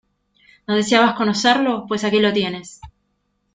¿No deseabas conocerlo? pues aquí lo tienes.